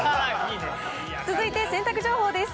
続いて洗濯情報です。